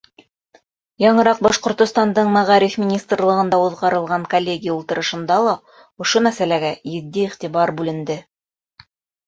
Яңыраҡ Башҡортостандың Мәғариф министрлығында уҙғарылған коллегия ултырышында ла ошо мәсьәләгә етди иғтибар бүленде.